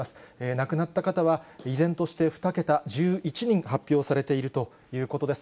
亡くなった方は依然として２桁、１１人発表されているということです。